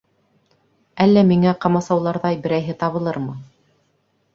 Әллә миңә ҡамасауларҙай берәйһе табылырмы?